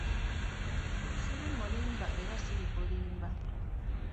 Siri mulimba era sirikulimba.